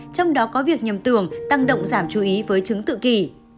trong đó có việc nhầm tưởng tăng động giảm chú ý với chứng tự kỷ